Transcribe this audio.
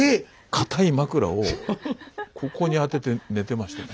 ⁉かたい枕をここにあてて寝てましたね。